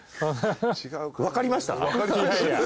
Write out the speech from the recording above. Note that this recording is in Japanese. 分かりました？